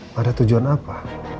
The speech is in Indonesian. pada tujuan apa